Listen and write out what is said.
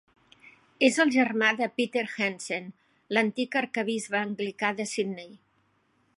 És el germà de Peter Jensen, l'antic arquebisbe anglicà de Sydney.